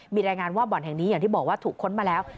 มีรายงานว่าบ่อนแห่งนี้อย่างที่บอกว่าถูกค้นมาแล้ว